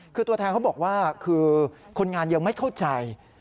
คือตัวแทนเขาบอกว่าคือคนงานยังไม่เข้าใจ